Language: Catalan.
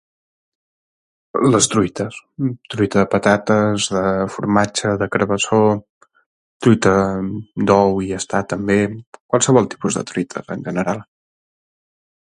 Les truites: truita de patates, de formatge, de carbassó, truita d'ou i ja està, també. Qualsevol tipus de truita, en general.